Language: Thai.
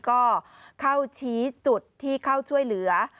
ก็เข้าชี้จุดที่เข้าช่วยเหลือ